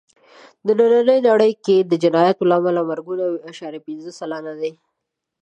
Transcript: نننۍ نړۍ کې د جنایت له امله مرګونه یو عشاریه پینځه سلنه دي.